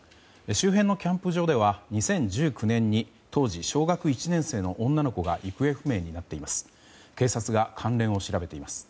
周辺のキャンプ場では２０１９年に当時小学１年生の女の子が行方不明になっています。